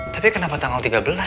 tapi kenapa tanggal tiga belas